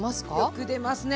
よく出ますね。